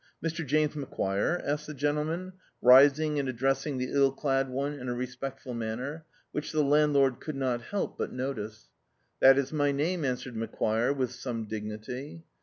"Mr. James Macquire?" asked the gentleman, rising and addressing the ill clad (me in a respectful manner, which the landlord could not help but notice. "That is my name," answered Macquire, with some dignity.